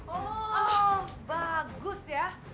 oh bagus ya